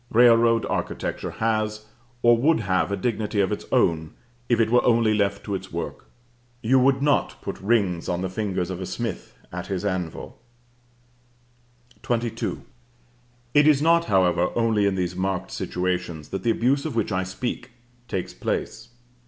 Railroad architecture has or would have a dignity of its own if it were only left to its work. You would not put rings on the fingers of a smith at his anvil. XXII. It is not however only in these marked situations that the abuse of which I speak takes place.